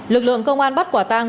lực lượng công an bắt quả tang